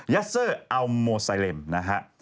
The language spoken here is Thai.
ัสเซอร์อัลโมไซเลมนะฮะ